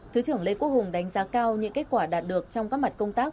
thứ trưởng lê quốc hùng đánh giá cao những kết quả đạt được trong các mặt công tác